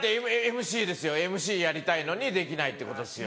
ＭＣやりたいのにできないってことですよ。